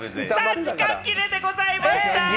時間切れでございました。